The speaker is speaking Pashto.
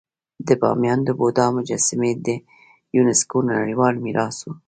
د بامیانو د بودا مجسمې د یونسکو نړیوال میراث وو